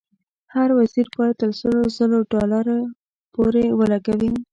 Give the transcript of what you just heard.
هر وزیر باید تر سلو زرو ډالرو پورې ولګوي.